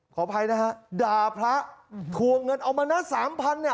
ขออภัยนะฮะด่าพระทวงเงินเอามานะสามพันเนี่ย